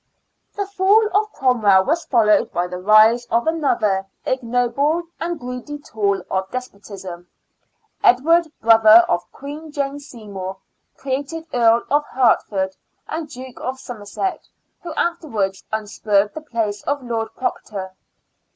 The fall of Cromwell was followed by the rise of another ignoble and greedy tool of despotism, Edward, brother of Queen Jane Seymour, created Earl of Hertford and Duke of Somerset, who afterwards usurped the place of Lord Protector.